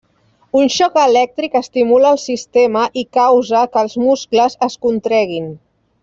Un xoc elèctric estimula el sistema i causa que els muscles es contreguin.